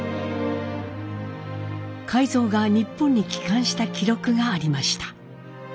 海蔵が日本に帰還した記録がありました。